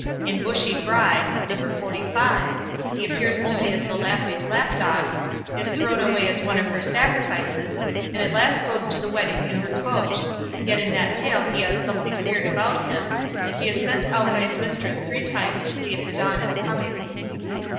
In "Bushy Bride", No. xlv, he appears only as the lassie's lap dog, is thrown away as one of her sacrifices, and at last goes to the wedding in her coach; yet in that tale he has something weird about him, and he is sent out by his mistress three times to see if the dawn is coming.